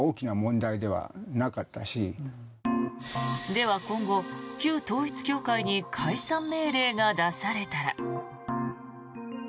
では今後、旧統一教会に解散命令が出されたら。